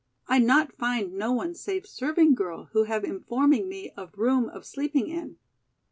I not find no one save serving girl who have informing me of room of sleeping in.